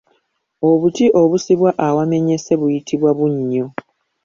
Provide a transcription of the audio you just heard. Obuti obusibwa awamenyese buyitibwa Bunnyo.